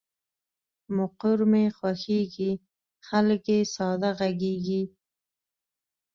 مقر مې خوښېږي، خلګ یې ساده غږیږي.